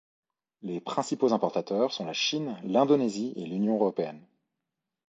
Les principaux importateurs sont la Chine, l'Indonésie et l'Union européenne.